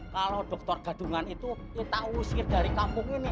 kalau doktor gadungan itu ditawusir dari kampung ini setuju